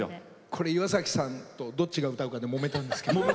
これ岩崎さんとどっちが歌うかでもめたんですけど。